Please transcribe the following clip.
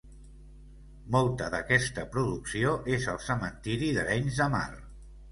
Molta d'aquesta producció és al cementiri d'Arenys de Mar.